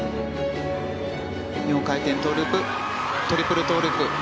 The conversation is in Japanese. ４回転トウループトリプルトウループ。